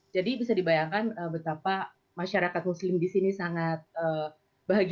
jadi bisa dibayangkan betapa masyarakat muslim di sini sangat bahagia